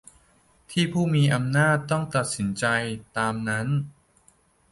ที่ผู้มีอำนาจต้องตัดสินใจตามนั้น